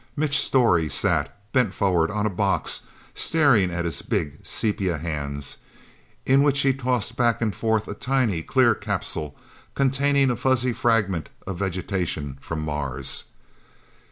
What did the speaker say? Mitch Storey sat, bent forward, on a box, staring at his big, sepia hands, in which he tossed back and forth a tiny, clear capsule containing a fuzzy fragment of vegetation from Mars.